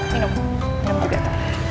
kamu mau makan dong minum